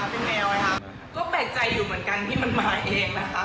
ก็แปลกใจอยู่เหมือนกันที่มันมาเองนะ